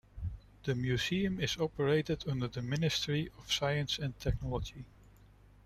The museum is operated under the Ministry of Science and Technology.